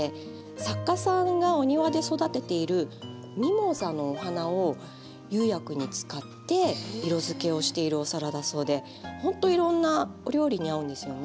作家さんがお庭で育てているミモザの花を釉薬に使って色づけをしているお皿だそうでほんといろんなお料理に合うんですよね。